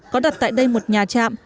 có đặt tại đây một nhà trạm